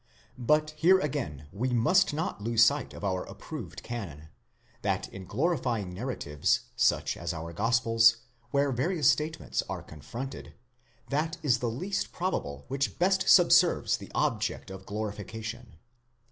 2 But here again we must not lose sight of our approved canon, that in glorifying narratives, such as our gospels, where various statements are confronted, that is the least probable which best subserves the object of glorification.